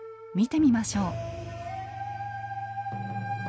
見てみましょう。